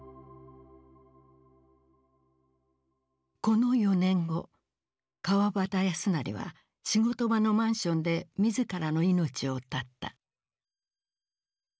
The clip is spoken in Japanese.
この４年後川端康成は仕事場のマンションで自らの命を絶った。